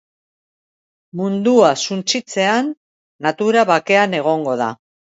Mundua suntsitzean natura bakean egongo da.